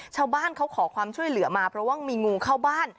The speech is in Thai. ชาวบ้านเขาขอความช่วยเหลือมาเพราะว่ามีงูเข้าบ้าน